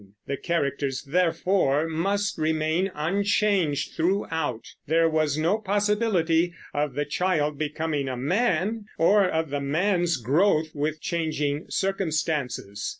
The characters, therefore, must remain unchanged throughout; there was no possibility of the child becoming a man, or of the man's growth with changing circumstances.